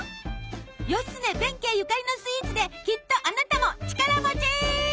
義経弁慶ゆかりのスイーツできっとあなたも力持ち！